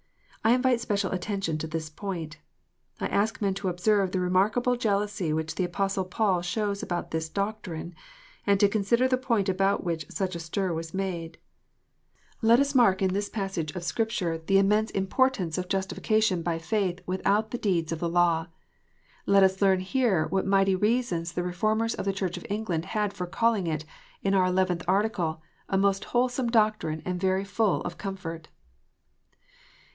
I invite special attention to this point. I ask men to observe the remarkable jealousy which the Apostle Paul shows about this doctrine, and to consider the point about which such a stir was made. Let us mark in this passage of Scripture the THE FALLIBILITY OF MINISTERS. 379 immense importance of justification by faith without the deeds of the law. Let us learn here what mighty reasons the Reformers of the Church of England had for calling it, in our Eleventh Article, " a most wholesome doctrine and very full of comfort."